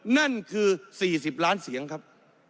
นั่นคือ๔๐ล้านเสียงครับ